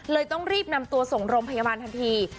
ต้องรีบนำตัวส่งโรงพยาบาลทันที